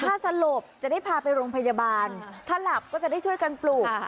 ถ้าสลบจะได้พาไปโรงพยาบาลถ้าหลับก็จะได้ช่วยกันปลูก